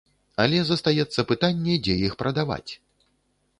Але застаецца пытанне, дзе іх прадаваць.